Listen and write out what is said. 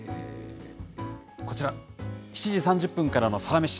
こちら、７時３０分からのサラメシ。